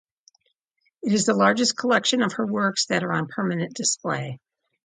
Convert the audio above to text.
It is the largest collection of her works that are on permanent display.